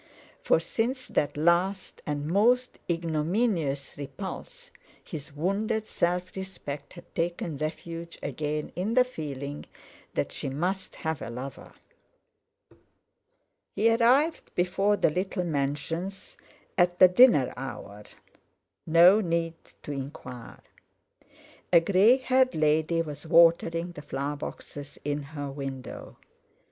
For since that last and most ignominious repulse his wounded self respect had taken refuge again in the feeling that she must have a lover. He arrived before the little Mansions at the dinner hour. No need to enquire! A grey haired lady was watering the flower boxes in her window.